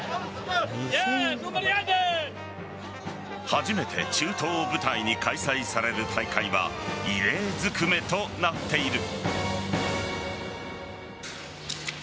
初めて中東を舞台に開催される大会は異例ずくめとなっている。